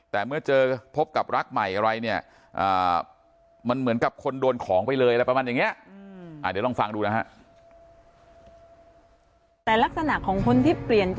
แต่เมื่อเจอพบกับรักใหม่อะไรเนี่ยมันเหมือนกับคนโดนของไปเลยอะไรประมาณอย่างนี้